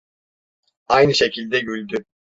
Aynı şekilde güldü...